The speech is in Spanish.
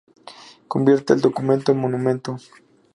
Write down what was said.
Convierte el documento en monumento.